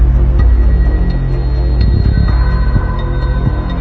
ทุกคนกำลังผ่านนะครับ